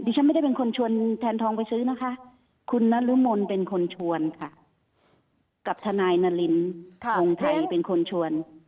ฉันไม่ได้เป็นคนชวนแทนทองไปซื้อนะคะคุณนรมนเป็นคนชวนค่ะกับทนายนารินทงไทยเป็นคนชวน